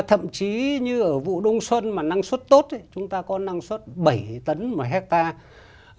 thậm chí như ở vụ đông xuân mà năng suất tốt chúng ta có năng suất bảy tấn một hectare